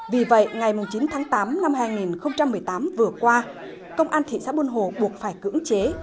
vì vậy ngày chín tháng tám năm hai nghìn một mươi tám vừa qua công an thị xã buôn hồ buộc phải cưỡng chế